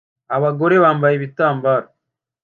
abagore bambaye ibitambara